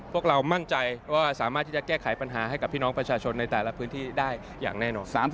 พวกเรามั่นใจว่าสามารถที่จะแก้ไขปัญหาให้กับพี่น้องประชาชนในแต่ละพื้นที่ได้อย่างแน่นอน